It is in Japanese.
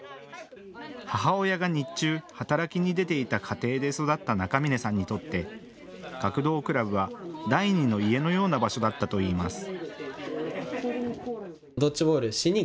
母親が日中、働きに出ていた家庭で育った中峰さんにとって学童クラブは第２の家のような場所だったといいます。